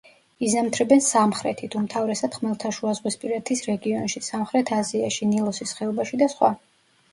იზამთრებენ სამხრეთით, უმთავრესად ხმელთაშუაზღვისპირეთის რეგიონში, სამხრეთ აზიაში, ნილოსის ხეობაში და სხვა.